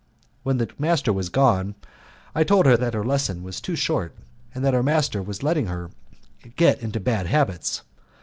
When the master was gone, I told her that her lessons were too short, and that her master was letting her get into bad habits.